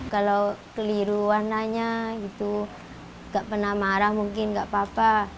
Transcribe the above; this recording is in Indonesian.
kalau keliru warnanya gitu nggak pernah marah mungkin nggak apa apa